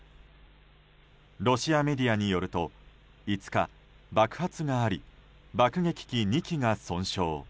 ロシアメディアによると５日、爆発があり爆撃機２機が損傷。